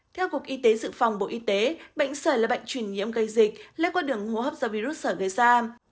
theo cục y tế dự phòng bộ y tế bệnh sởi là bệnh chuyển nhiễm gây dịch lấy qua đường hô hấp do virus sở gây ra